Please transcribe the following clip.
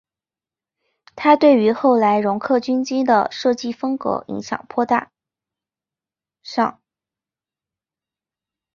它对于后来容克军机的设计风格影响颇大上。